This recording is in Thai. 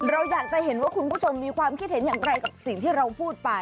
เราอยากจะเห็นว่าคุณผู้ชมมีความคิดเห็นอย่างไรกับสิ่งที่เราพูดไป